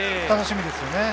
楽しみです。